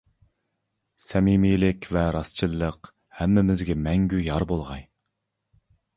سەمىمىيلىك ۋە راستچىللىق ھەممىمىزگە مەڭگۈ يار بولغاي!